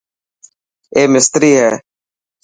اي مستري هي.